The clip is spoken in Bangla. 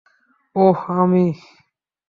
ওহ, আমি?